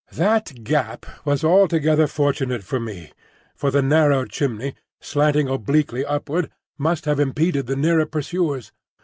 That gap was altogether fortunate for me, for the narrow chimney, slanting obliquely upward, must have impeded the nearer pursuers.